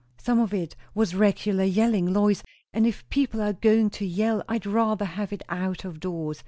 Some of it was regular yelling, Lois; and if people are going to yell, I'd rather have it out of doors.